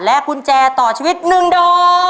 และกุญแจต่อชีวิต๑โด